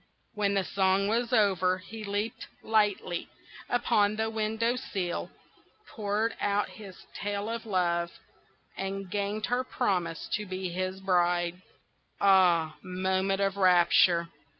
When the song was over he leaped lightly upon the window sill, poured out his tale of love, and gained her promise to be his bride. Ah, moment of rapture!